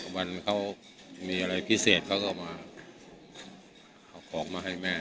วันเขามีอะไรพิเศษเขาก็มาเอาของมาให้แม่